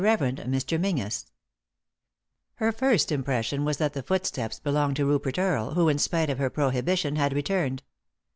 PETER MENZIES Her first impression was that the footsteps belonged to Rupert Earle, who, in spite of her prohibition, had returned.